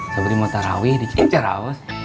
sobri mau tarawih di ceraus